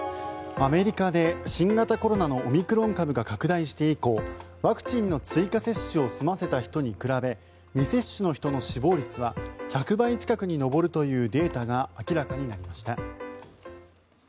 アメリカで新型コロナのオミクロン株が拡大して以降ワクチンの追加接種を済ませた人に比べ未接種の人の死亡率は１００倍近くに上るというデータが明らかになりました。